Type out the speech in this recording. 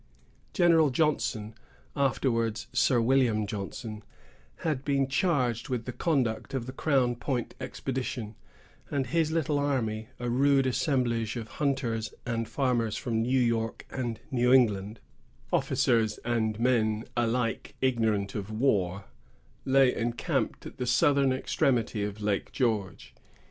General Johnson, afterwards Sir William Johnson, had been charged with the conduct of the Crown Point expedition; and his little army, a rude assemblage of hunters and farmers from New York and New England, officers and men alike ignorant of war, lay encamped at the southern extremity of Lake George.